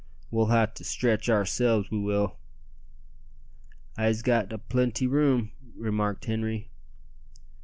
We'll ha' to stretch oursel's, we will." "I'se got a plenty room," remarked Henri.